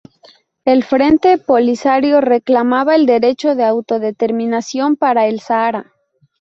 El Frente Polisario reclamaba el derecho de autodeterminación para el Sáhara.